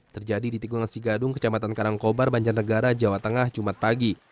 terjadi di tegung asi gadung kecamatan karangkobar banjarnegara jawa tengah jumat pagi